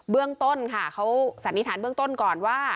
เรื่องต้นค่ะเขาสันนิษฐานเบื้องต้นก่อนว่า